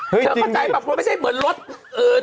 เธอเข้าใจแบบว่าไม่ใช่เหมือนรถอื่น